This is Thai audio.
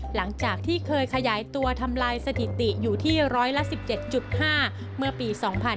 หลังจากที่เคยขยายตัวทำลายสถิติอยู่ที่ร้อยละ๑๗๕เมื่อปี๒๕๕๙